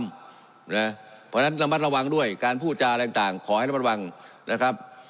เพราะฉะนั้นระมัดระวังด้วยการพูดจาอะไรต่างขอให้ระมัดระวังนะครับ